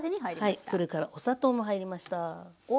それからお砂糖も入りました。